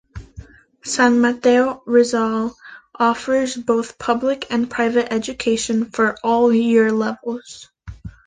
San Mateo, Rizal offers both public and private education for all year levels.